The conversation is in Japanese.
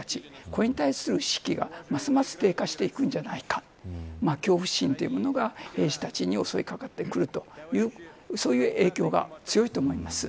これに対する士気がますます低下していくんじゃないか恐怖心というものが兵士たちに襲い掛かってくるというそういう影響が強いと思います。